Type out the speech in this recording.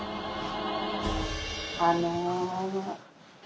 あの。